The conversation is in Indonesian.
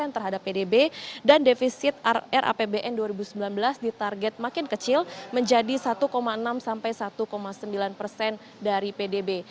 terhadap pdb dan defisit rapbn dua ribu sembilan belas di target makin kecil menjadi satu enam sampai satu sembilan persen dari pdb